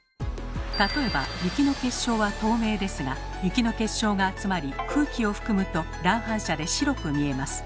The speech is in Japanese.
例えば雪の結晶は透明ですが雪の結晶が集まり空気を含むと乱反射で白く見えます。